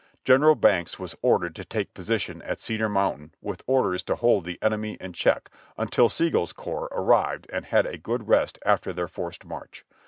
General Banks was ordered to take position at Cedar Mountain with orders to hold the enemy in check until Sigel's corps arrived and had a good rest after their forced march.